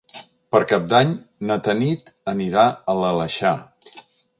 Per Cap d'Any na Tanit anirà a l'Aleixar.